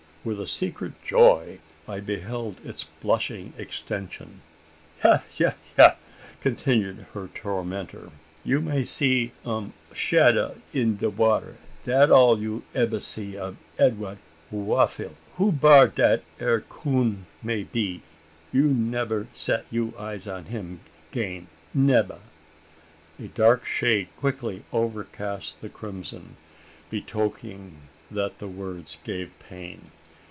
With a secret joy I beheld its blushing extension. "Yah, yah, yah!" continued her tormentor, "you may see um shadda in da water dat all you ebba see ob Edwa'd Wa'ffeld. Whoebbar dat ere coon may be, you nebbar set you' eyes on him 'gain nebba!" A dark shade quickly overcast the crimson, betokening that the words gave pain.